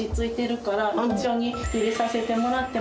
一緒に入れさせてもらっても。